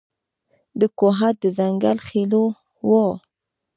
د کوهاټ د ځنګل خېلو و.